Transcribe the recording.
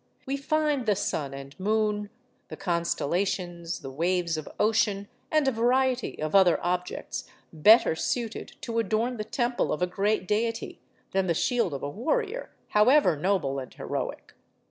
We find the sun and moon, the constellations, the waves of ocean, and a variety of other objects, better suited to adorn the temple of a great deity than the shield of a warrior, however noble and heroic.